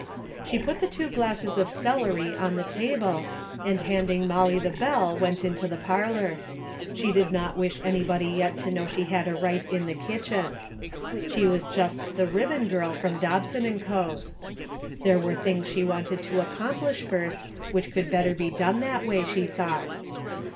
She put the two glasses of celery on the table, and hand ing Molly the bell went into the parlor. She did not wish anybody yet to know she had a right in the kitchen. She was just the ribbon girl from Dobson and Co.'s. There were things she wanted to accomplish first which could better be done that way, she thought.